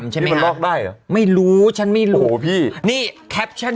ชิ้นนี้มันลอกได้เหรอไม่รู้ฉันไม่รู้โอ้โหพี่นี่แคปชั่น